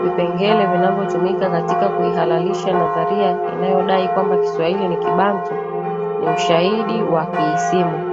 Vipengele vinavyotumika katika kuihalalisha nadharia inayodai kwamba Kiswahili ni Kibantu ni ushahidi wa kiisimu